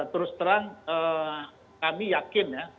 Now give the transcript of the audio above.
terus terang kami yakin ya